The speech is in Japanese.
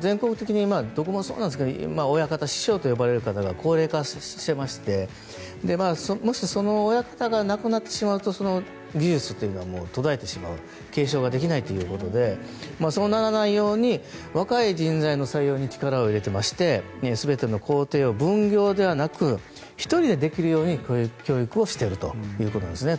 全国的にどこもそうなんですけど親方、師匠と呼ばれる方が高齢化していましてもし、その親方が亡くなってしまうとその技術というのは途絶えてしまう継承ができないということでそうならないように若い人材の採用に力を入れていまして全ての工程を分業ではなく１人でできるように教育をしているということなんですね。